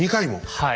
はい。